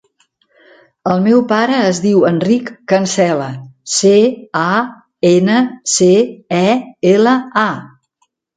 El meu pare es diu Enric Cancela: ce, a, ena, ce, e, ela, a.